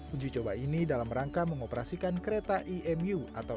uji coba ini dalam rangka mengoperasikan kereta iis